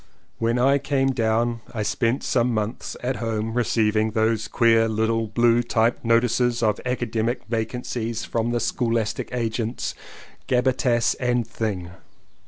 When I came down I spent some months at home receiving those queer little blue typed notices of academic vacancies from the scholastic agents, Gabbitas and Thing.